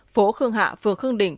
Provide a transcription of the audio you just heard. phố khương hạ phường khương đỉnh